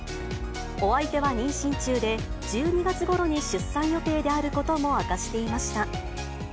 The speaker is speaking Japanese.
お相手は妊娠中で、１２月ごろに出産予定であることも明かしていました。